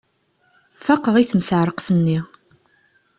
Faqeɣ i timseεreqt-nni.